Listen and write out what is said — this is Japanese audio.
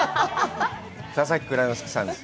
佐々木蔵之介さんです。